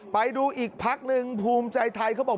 ไปดูอีกพักหนึ่งภูมิใจไทยเขาบอก